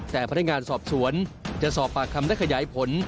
แต่พนักงานสอบสวนจะสอบปากคำและขยายผล